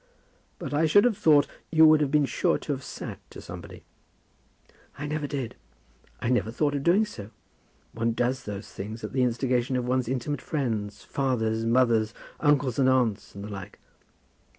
"But I should have thought you would have been sure to have sat to somebody." "I never did. I never thought of doing so. One does those things at the instigation of one's intimate friends, fathers, mothers, uncles, and aunts, and the like."